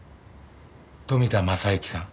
富田正之さん